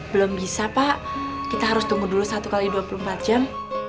belum bisa pak kita harus tunggu dulu satu x dua puluh empat jam